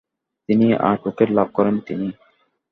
তিনি আট উইকেট লাভ করেন তিনি।